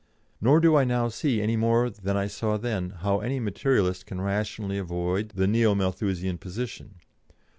Nor do I now see, any more than I saw then, how any Materialist can rationally avoid the Neo Malthusian position.